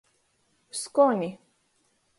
Skoni.